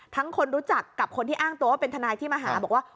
คนรู้จักกับคนที่อ้างตัวว่าเป็นทนายที่มาหาบอกว่า